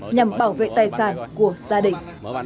nhằm bảo vệ tài sản của gia đình